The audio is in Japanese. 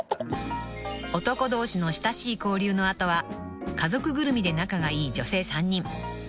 ［男同士の親しい交流の後は家族ぐるみで仲がいい女性３人］